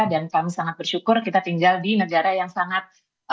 dan kami sangat bersyukur kita tinggal di negara yang sangat